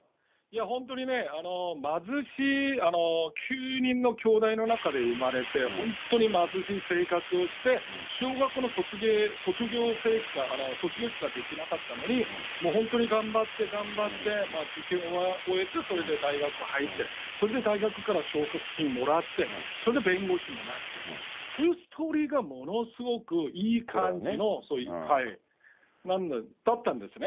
本当にね、貧しい９人のきょうだいの中で産まれて、本当に貧しい生活をして、小学校の卒業しかいけなかったのに、もう本当に頑張って頑張って、受験は終えて、それで大学入って、それで大学から奨学金もらって、それで弁護士にもなって、そういうストーリーがものすごくいい感じの、そういう、だったんですね。